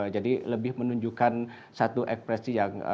jadi lebih menunjukkan satu ekspresi yang